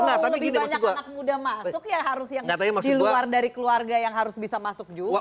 kalau lebih banyak anak muda masuk ya harus yang di luar dari keluarga yang harus bisa masuk juga